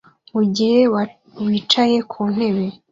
Mugihe wicaye ku ntebe